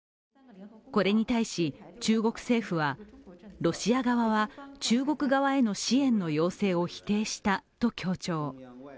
これに対し、中国政府はロシア側は中国側への支援の要請を否定したと強調。